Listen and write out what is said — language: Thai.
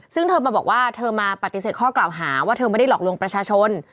ซึ่งเธอมาบอกว่าเธอมาปฏิเสธข้อกล่าวหาว่าเธอไม่ได้หลอกลวงประชาชน